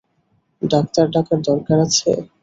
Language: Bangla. ডাক্তার ডাকার দরকার আছে?